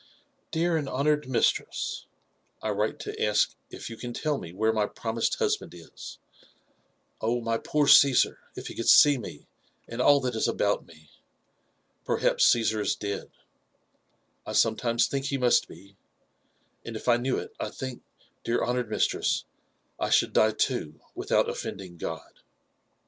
" Dear and honoured mistress, I write to ask if you can tell me where my promised husband !&. Oh, my poor Cesar !— if he could see me, and all that is aboQt me ! Pertrnpt Cassar it dead. 1 sometimes think he mast be ; ind if I 64 LIFE AND ADVENTURES OF knew ' it» I think, dear honoured mistress, I should die too, without oflTending Ood."